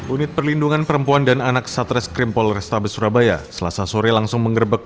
unit perlindungan perempuan dan anak satres krimpol restabes surabaya selasa sore langsung menggerebek